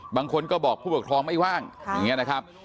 บางคนก็บอกผู้ปกครองไม่ว่างอย่างนี้นะครับ